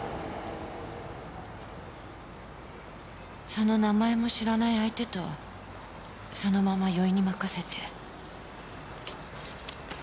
その名前も知らない相手とそのまま酔いに任せて。